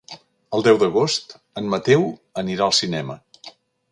El deu d'agost en Mateu anirà al cinema.